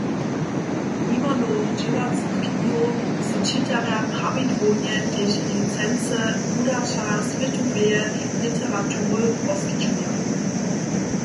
Nimo nowych dźěćacych knihow so čitarjam prawidłownje tež licencne wudaća swětoweje literatury poskićuja.